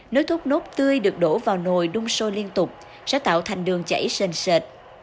nối thốt nốt tươi được đổ vào nồi đun sôi liên tục sẽ tạo thành đường chảy sền sệt